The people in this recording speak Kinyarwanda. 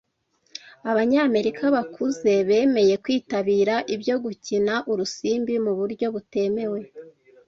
abanyamerika bakuze bemeye kwitabira ibyo Gukina Urusimbi mu buryo butemewe